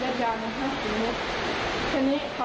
ทีนี้เขาเออเขาก็นึกว่าเออมันไม่ดีแล้วเขาก็เลยลงลงจากที่นั่งเขา